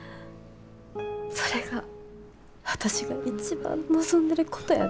それが私が一番望んでることやで。